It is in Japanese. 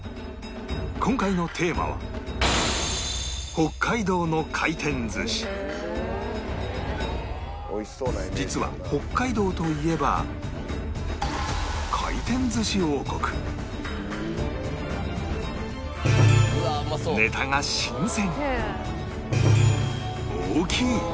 今回のテーマは実は北海道といえばネタが新鮮！